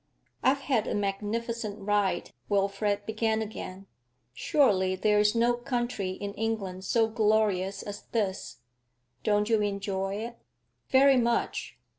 'I've had a magnificent ride,' Wilfrid began again. 'Surely there is no country in England so glorious as this. Don't you enjoy it?' 'Very much.'